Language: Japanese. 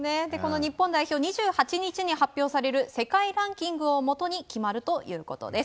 日本代表、２８日に発表される世界ランキングをもとに決まるということです。